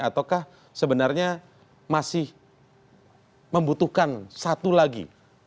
ataukah sebenarnya masih membutuhkan satu lagi